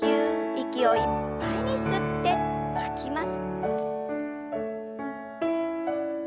息をいっぱいに吸って吐きます。